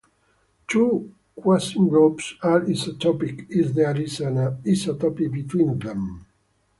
Two quasigroups are isotopic if there is an isotopy between them.